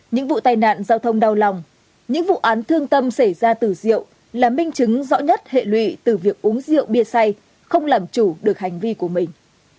những vụ tai nạn giao thông đau lòng những vụ án thương tâm xảy ra từ rượu là minh chứng rõ nhất hệ lụy từ việc uống rượu bia xay không làm chủ được hành vi của mình